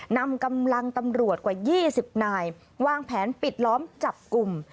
นำกำลังตำรวจกว่า๒๐นายวางแผนปิดล้อมจับกลุ่ม